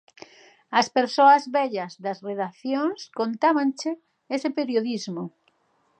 As persoas vellas das redaccións contábanche ese periodismo.